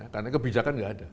karena kebijakan gak ada